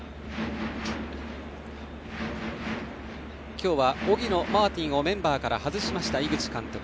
今日は荻野、マーティンをメンバーから外しました井口監督。